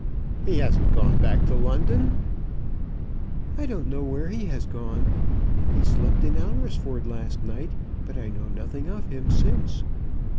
"He hasn't gone back to London?" "I don't know where he has gone. He slept in Alresford last night, but I know nothing of him since."